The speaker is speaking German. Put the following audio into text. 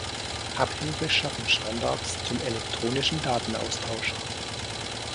Abhilfe schaffen Standards zum elektronischen Datenaustausch.